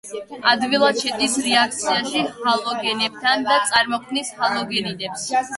ადვილად შედის რეაქციაში ჰალოგენებთან, და წარმოქმნის ჰალოგენიდებს.